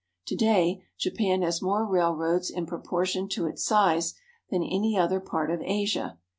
To day Japan has more railroads in proportion to its size than any other part of Asia.